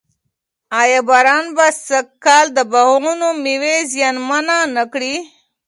آیا باران به سږ کال د باغونو مېوه زیانمنه نه کړي؟